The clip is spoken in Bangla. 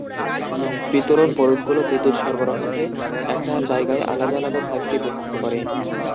বিতরণ বোর্ডগুলো বিদ্যুৎ সরবরাহকে একটা জায়গায় আলাদা আলাদা সার্কিটে বিভক্ত করে।